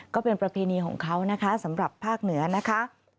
ก็เป็นประเพณีของเขานะคะสำหรับภาคเหนือนะคะ